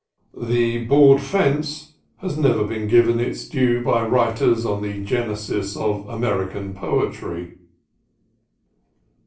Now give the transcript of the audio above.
The board fence has never been given its due by writers on the Genesis of American Poetry.